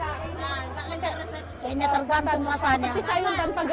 ya nanti mana tahu kita beli aja satu umuk aja